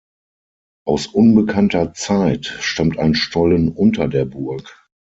Aus unbekannter Zeit stammt ein Stollen unter der Burg.